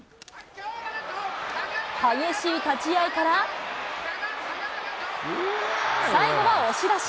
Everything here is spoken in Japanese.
激しい立ち合いから、最後は押し出し。